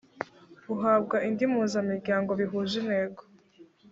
uhabwa indi mpuzamiryango bihuje intego